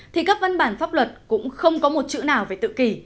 thì các văn bản pháp luật cũng không có một chữ nào về tự kỷ